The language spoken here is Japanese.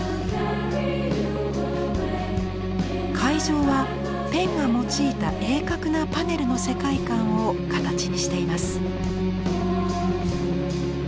会場はペンが用いた鋭角なパネルの世界観を形にしています。